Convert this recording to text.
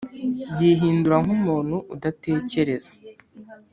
yihindura nk umuntu udatekereza